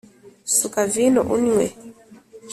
suka vino unywe